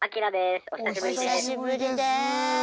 お久しぶりです。